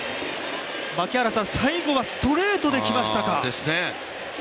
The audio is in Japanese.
最後はストレートできましたか。